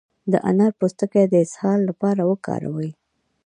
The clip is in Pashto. د انار پوستکی د اسهال لپاره وکاروئ